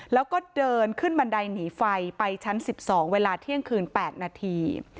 แล้วก็เดินขึ้นบันไดหนีไฟไปชั้น๑๒เวลาเที่ยงคืน๘นาที